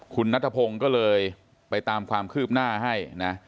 คุณนัทพงศ์ก็เลยไปตามความคืบหน้าให้นะ